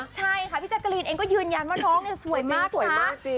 ใช่ค่ะพี่แจกรีนเองก็ยืนยันว่าน้องสวยมากค่ะ